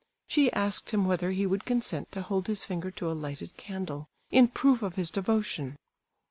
She asked him whether he would consent to hold his finger to a lighted candle in proof of his devotion!